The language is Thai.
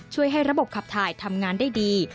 ให้ระบบขับถ่ายทำงานได้ดี